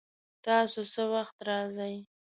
تاسو څه وخت راځئ؟